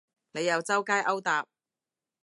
你又周街勾搭